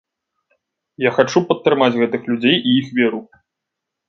Я хачу падтрымаць гэтых людзей і іх веру.